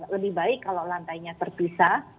lebih baik kalau lantainya terpisah